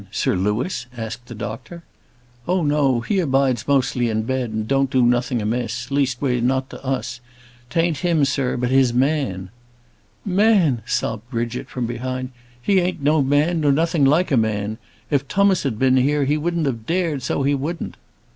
Sir Louis?" asked the doctor. "Oh, no! he abides mostly in bed, and don't do nothing amiss; least way not to us. 'Tan't him, sir; but his man." "Man!" sobbed Bridget from behind. "He an't no man, nor nothing like a man. If Tummas had been here, he wouldn't have dared; so he wouldn't."